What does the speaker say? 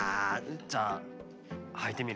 じゃあはいてみる？